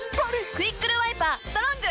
「クイックルワイパーストロング」！